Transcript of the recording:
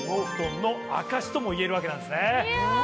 ともいえるわけなんですね。